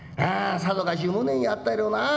さぞかし無念やったやろうな。